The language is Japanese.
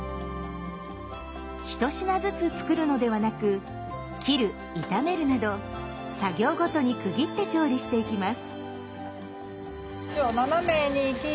一品ずつ作るのではなく「切る」「炒める」など作業ごとに区切って調理していきます。